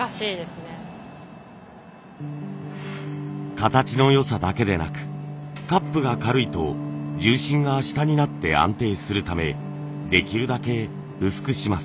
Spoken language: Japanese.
形の良さだけでなくカップが軽いと重心が下になって安定するためできるだけ薄くします。